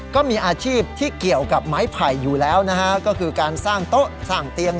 ก็มีอาชีพที่เกี่ยวกับไม้ไผ่อยู่แล้วนะฮะก็คือการสร้างโต๊ะสร้างเตียง